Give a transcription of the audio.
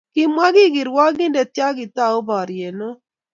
Mamwa ki kirwangindet ya kitau bariet neo